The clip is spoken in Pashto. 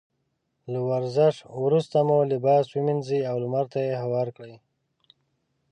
له ورزش وروسته مو لباس ومينځئ او لمر ته يې هوار کړئ.